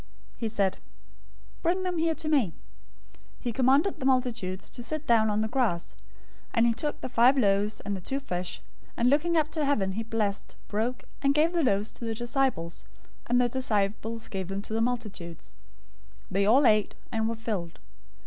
014:018 He said, "Bring them here to me." 014:019 He commanded the multitudes to sit down on the grass; and he took the five loaves and the two fish, and looking up to heaven, he blessed, broke and gave the loaves to the disciples, and the disciples gave to the multitudes. 014:020 They all ate, and were filled.